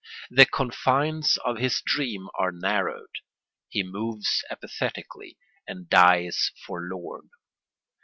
The confines of his dream are narrowed. He moves apathetically and dies forlorn.